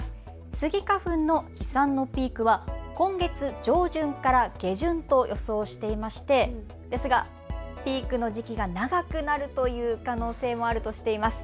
スギ花粉の飛散のピークは今月上旬から下旬と予想していまして、ですがピークの時期が長くなるという可能性もあるとしています。